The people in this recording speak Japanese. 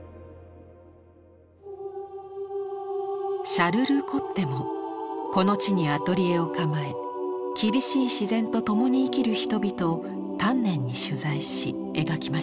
シャルル・コッテもこの地にアトリエを構え厳しい自然と共に生きる人々を丹念に取材し描きました。